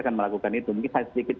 akan melakukan itu mungkin saya sedikit